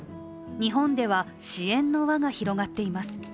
日本では、支援の輪が広がっています。